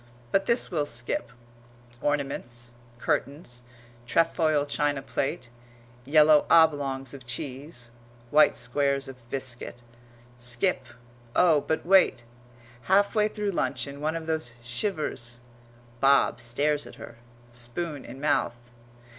[But this we'll skip; ornaments, curtains, trefoil china plate, yellow oblongs of cheese, white squares of biscuit skip oh, but wait! Halfway through luncheon one of those shivers; Bob stares at her, spoon in mouth.